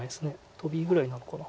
トビぐらいになるのかな。